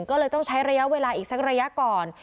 ก็เลยต้องใช้ระยะเวลาอีกสักระยะก่อน